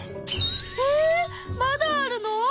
えっまだあるの？